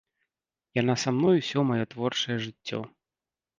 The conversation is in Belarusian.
Яна са мной усё маё творчае жыццё.